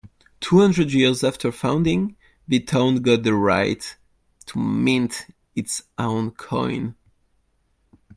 Two hundred years after founding, the town got the right to mint its own coin.